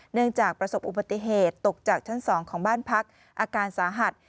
เนื่องจากประสบอุบัติเหตุตกจากชั้น๒ของบ้านพักอาการสาหัส